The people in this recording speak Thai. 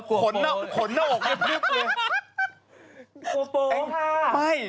ขนหน้าอกเลยพลึบเลย